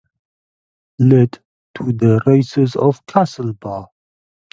This led to the "Races of Castlebar".